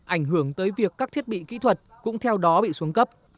ảnh hưởng tới việc các thiết bị kỹ thuật cũng theo đó bị xuống cấp